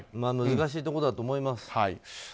難しいところだと思います。